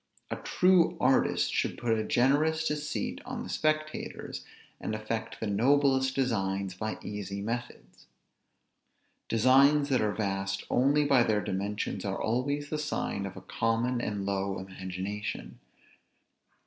A true artist should put a generous deceit on the spectators, and effect the noblest designs by easy methods. Designs that are vast only by their dimensions are always the sign of a common and low imagination.